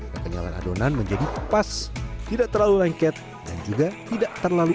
ketinggalan adonan menjadi pas tidak terlalu lengket dan juga tidak terlalu